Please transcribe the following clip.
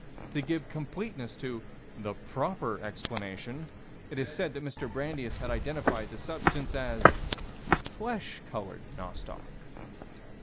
To give completeness to "the proper explanation," it is said that Mr. Brandeis had identified the substance as "flesh colored" nostoc.